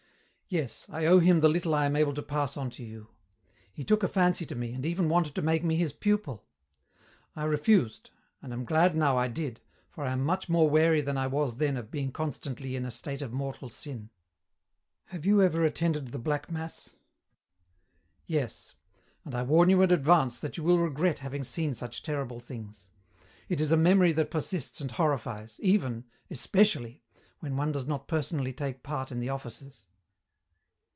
"Yes, I owe him the little I am able to pass on to you. He took a fancy to me and even wanted to make me his pupil. I refused, and am glad now I did, for I am much more wary than I was then of being constantly in a state of mortal sin." "Have you ever attended the Black Mass?" "Yes. And I warn you in advance that you will regret having seen such terrible things. It is a memory that persists and horrifies, even especially when one does not personally take part in the offices."